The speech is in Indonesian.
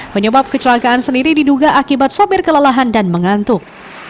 penyebab kecelakaan sendiri diduga akibat sopir kelelahan dan mengantuk